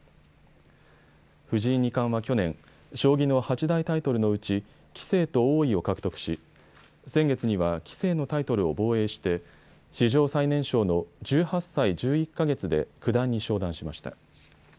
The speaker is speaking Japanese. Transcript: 藤井二冠は去年、将棋の八大タイトルのうち棋聖と王位を獲得し先月には棋聖のタイトルを防衛して史上最年少の１８歳１１か月で九段に昇段しました。